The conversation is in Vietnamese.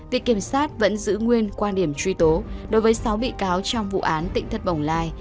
viện kiểm sát vẫn giữ nguyên quan điểm truy tố đối với sáu bị cáo trong vụ án tỉnh thất bồng lai